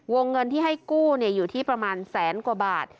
เงินที่ให้กู้อยู่ที่ประมาณแสนกว่าบาท